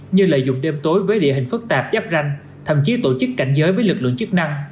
như lợi dụng đêm tối với địa hình phức tạp giáp ranh thậm chí tổ chức cảnh giới với lực lượng chức năng